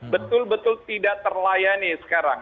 betul betul tidak terlayani sekarang